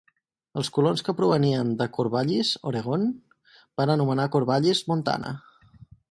Els colons que provenien de Corvallis, Oregon, van anomenar Corvallis, Montana.